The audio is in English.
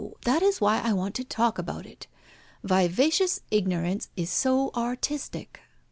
That is why I want to talk about it. Vivacious ignorance is so artistic."